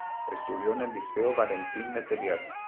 Estudió en el Liceo Valentín Letelier.